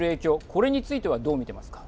これについてはどう見ていますか。